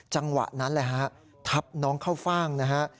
จังหวะนั้นแหละฮะทับน้องเข้าฟ่างนะฮะ